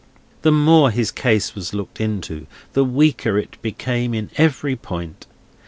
The more his case was looked into, the weaker it became in every point.